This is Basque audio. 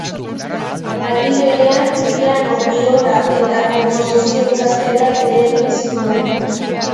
Aldi berean, Piano, Biola eta Konposizio ikasketak ere egin zituen.